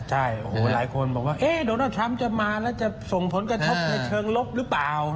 ใช่โอ้โหหลายคนบอกว่าโดนัลดทรัมป์จะมาแล้วจะส่งผลกระทบในเชิงลบหรือเปล่า